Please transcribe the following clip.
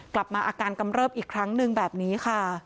กลับมาอาการกำเริบอีกครั้งหนึ่งแบบนี้ค่ะ